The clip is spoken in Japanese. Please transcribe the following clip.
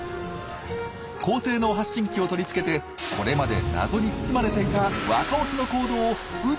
高性能発信機を取り付けてこれまで謎に包まれていた若オスの行動を宇宙から徹底追跡。